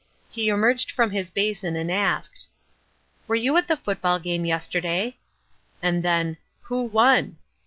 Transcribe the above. He emerged from his basin and asked: "'Were you at that football game yesterday?' and then 'Who won?'